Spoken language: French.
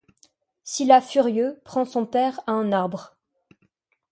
Silas furieux, pend son père à un arbre.